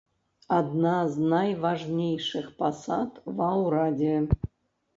Адна з найважнейшых пасад ва ўрадзе.